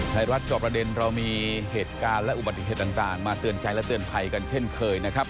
ไทยรัฐจอบประเด็นเรามีเหตุการณ์และอุบัติเหตุต่างมาเตือนใจและเตือนภัยกันเช่นเคยนะครับ